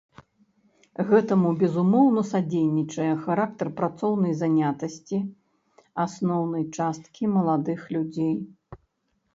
Гэтаму, безумоўна, садзейнічае характар працоўнай занятасці асноўнай часткі маладых людзей.